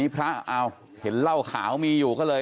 พระเอาเห็นเหล้าขาวมีอยู่ก็เลย